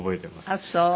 あっそう。